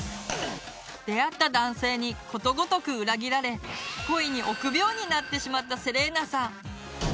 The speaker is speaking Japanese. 出会った男性にことごとく裏切られ恋に臆病になってしまったセレーナさん。